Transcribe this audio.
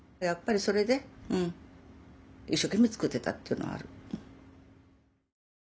やっぱりそれで一生懸命作ってたっていうのはある。